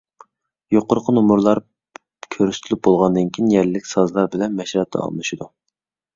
يۇقىرىقى نومۇرلار كۆرسىتىلىپ بولغاندىن كېيىن يەرلىك سازلار بىلەن مەشرەپ داۋاملىشىدۇ.